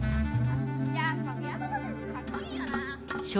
やっぱ宮園せんしゅかっこいいよな！